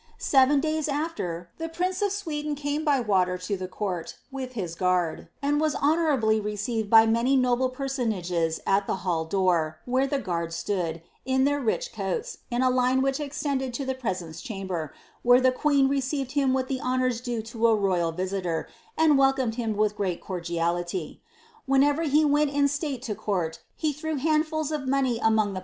Seren days atler, the prince of Sweden came by water to the court, with his guaid, and was honourably received by many noble peraonagH at the hall door, where the guard stood, in their rich coats, in a line which extended to the presence chamber, where the queen received him with the honours due to a royal tisilor, and welcomed him with great cordiality.